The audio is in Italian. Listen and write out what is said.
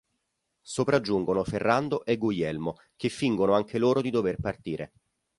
Sopraggiungono Ferrando e Guglielmo, che fingono anche loro di dover partire.